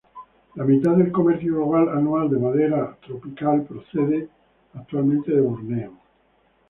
La mitad del comercio global anual de madera tropical procede actualmente de Borneo.